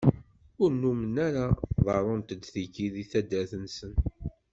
Ur nummen ara ḍerrunt-d tiki deg taddart-nsen.